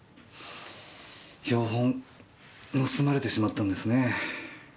標本盗まれてしまったんですね。